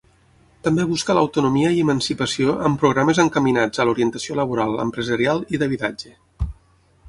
També busca l'autonomia i emancipació amb programes encaminats a l'orientació laboral, empresarial i d'habitatge.